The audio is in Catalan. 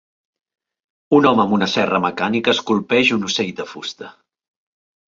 Un home amb una serra mecànica esculpeix un ocell de fusta